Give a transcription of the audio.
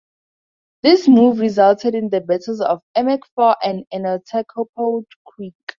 This move resulted in the Battles of Emuckfaw and Enotachopo Creek.